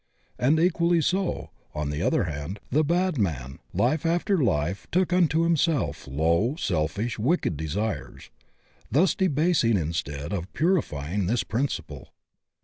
And equally so, on the other hand, the bad man life after life took unto him self low, selfish, wicked desires, thus debasing in stead of purifying this principle.